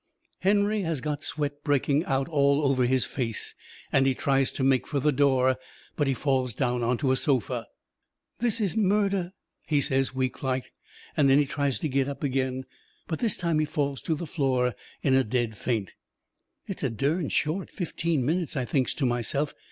Henry has got sweat breaking out all over his face, and he tries to make fur the door, but he falls down onto a sofa. "This is murder," he says, weak like. And he tries to get up again, but this time he falls to the floor in a dead faint. "It's a dern short fifteen minutes," I thinks to myself.